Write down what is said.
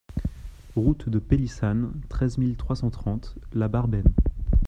Route de Pélissanne, treize mille trois cent trente La Barben